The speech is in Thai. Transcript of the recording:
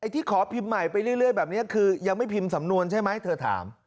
ที่ขอพิมพ์ใหม่ไปเรื่อยแบบนี้คือยังไม่พิมพ์สำนวนใช่ไหมเธอถาม